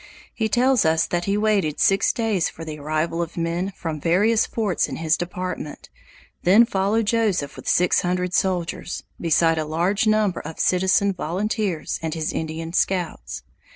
He tells us that he waited six days for the arrival of men from various forts in his department, then followed Joseph with six hundred soldiers, beside a large number of citizen volunteers and his Indian scouts.